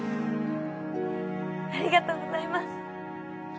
ありがとうございます。